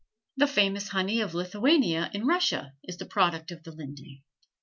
The famous honey of Lithuania in Russia is the product of the linden.